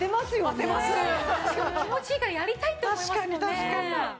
しかも気持ちいいからやりたいって思いますもんね。